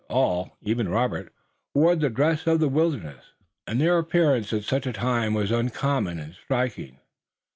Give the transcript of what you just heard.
All, even Robert, wore the dress of the wilderness, and their appearance at such a time was uncommon and striking.